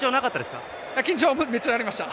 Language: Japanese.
緊張、めっちゃありました。